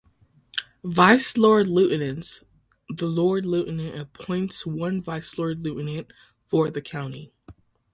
Vice Lord Lieutenants The Lord Lieutenant appoints one Vice Lord Lieutenant for the county.